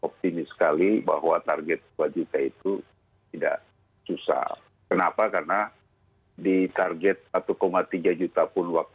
pembelajaran untuk mencapai target itu adalah satu tiga juta dolar